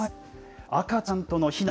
赤ちゃんとの避難。